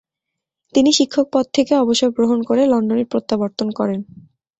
তিনি শিক্ষক পদ থেকে অবসর গ্রহণ করে লন্ডনে প্রত্যাবর্তন করেন।